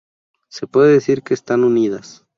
Se puede decir que están unidas.